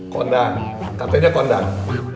kondang katanya kondang